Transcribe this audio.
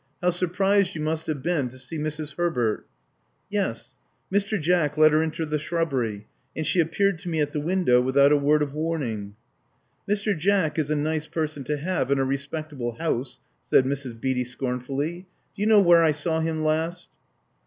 How. surprised you must have been to see Mrs. Herbert!" Yes. Mr. Jack let her into the shrubbery; and she appeared to me at the window without a word of warning." '*Mr. Jack is a nice person to have in a respectable house," said Mrs. Beatty scornfully. ''Do you knpw where I saw him last?"